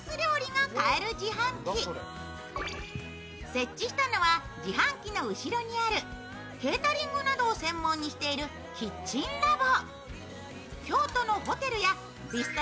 設置したのは自販機の後ろにあるケータリングなどを専門にしているキッチンラボ。